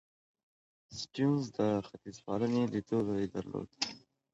سټيونز د ختیځپالنې لیدلوری درلود.